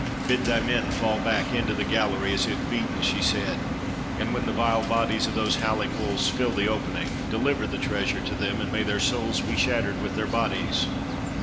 "Bid thy men fall back into the gallery as if beaten," she said. "And when the vile bodies of those howling wolves fill the opening, deliver the treasure to them, and may their souls be shattered with their bodies!